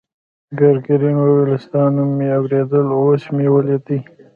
ګرګین وویل ستا نوم مې اورېدلی اوس مې ولیدې.